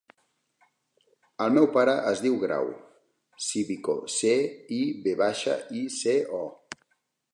El meu pare es diu Grau Civico: ce, i, ve baixa, i, ce, o.